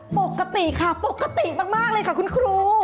ปกติค่ะปกติมากเลยค่ะคุณครู